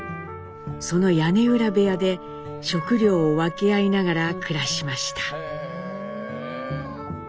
その屋根裏部屋で食料を分け合いながら暮らしました。